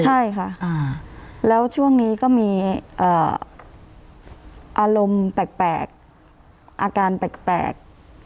ใช่ค่ะแล้วช่วงนี้ก็มีอารมณ์แปลกอาการแปลก